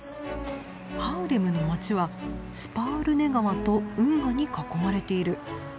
ハーレムの街はスパールネ川と運河に囲まれている。